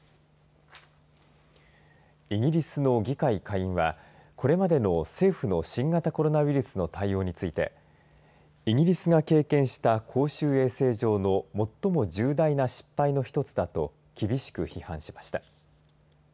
イギリスの議会下院はこれまでの政府の新型コロナウイルスの対応についてイギリスが経験した公衆衛生上の最も重大な失敗のひとつだと厳しく批判しました。